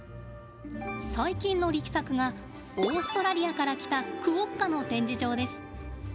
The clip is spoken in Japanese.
最近の力作がオーストラリアから来たクオッカの展示場です。